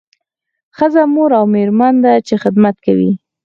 ښځه مور او میرمن ده چې خدمت کوي